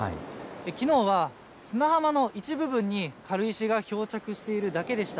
きのうは砂浜の一部分に軽石が漂着しているだけでした。